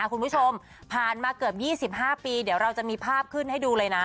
คุณผู้ชมผ่านมาเกือบ๒๕ปีเดี๋ยวเราจะมีภาพขึ้นให้ดูเลยนะ